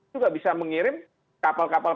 juga bisa mengirim kapal kapal